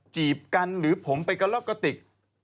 จีบกันหรือผมไปกระลอกกระติก